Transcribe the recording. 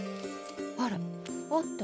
あらあった。